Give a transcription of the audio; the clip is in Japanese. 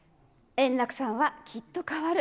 円楽さんはきっと変わる。